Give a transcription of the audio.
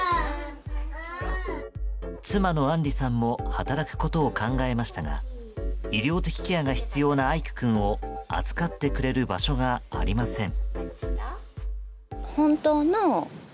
妻のあんりさんも働くことを考えましたが医療的ケアが必要な愛久くんを預かってくれる場所がありません。